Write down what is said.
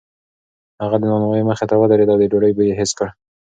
هغه د نانوایۍ مخې ته ودرېد او د ډوډۍ بوی یې حس کړ.